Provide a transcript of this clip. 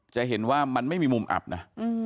จะเห็นว่ามันไม่มีมุมอับนะ